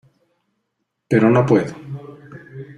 pero no puedo.